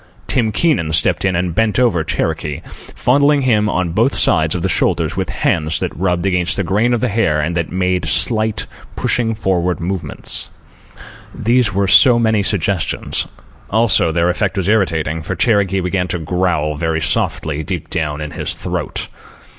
Tim Keenan stepped in and bent over Cherokee, fondling him on both sides of the shoulders with hands that rubbed against the grain of the hair and that made slight, pushing forward movements. These were so many suggestions. Also, their effect was irritating, for Cherokee began to growl, very softly, deep down in his throat.